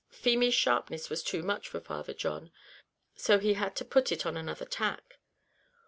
Feemy's sharpness was too much for Father John, so he had to put it on another tack.